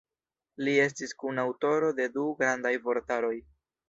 Li estis kunaŭtoro de du grandaj vortaroj.